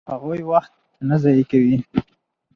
هغوی وخت نه ضایع کوي.